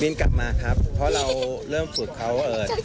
บินกลับมาครับเพราะเราเริ่มฝึกเขา